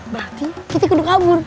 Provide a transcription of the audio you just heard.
berarti kita kena kabur